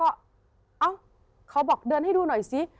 เอ้าเขาบอกเดินให้ดูหน่อยซิ